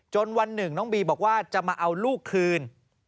วันหนึ่งน้องบีบอกว่าจะมาเอาลูกคืน